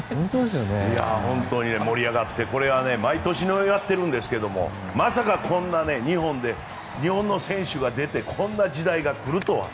盛り上がってこれは毎年やってるんですけどまさか、こんな日本の選手が出てこんな時代が来るとは。